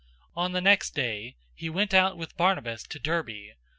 On the next day he went out with Barnabas to Derbe.